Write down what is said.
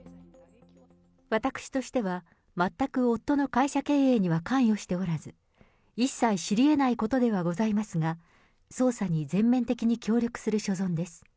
私としては、全く夫の会社経営には関与しておらず、一切知りえないことではございますが、捜査に全面的に協力する所存です。